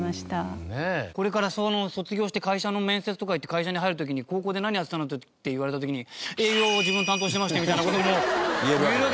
これから卒業して会社の面接とか行って会社に入る時に高校で何やってたの？って言われた時に「営業を自分は担当してまして」みたいな事も言えるわけですね。